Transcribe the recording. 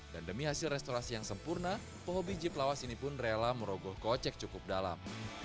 dan demi hasil restorasi yang sempurna pehobi jeep lawas ini pun rela merogoh kocek cukup dalam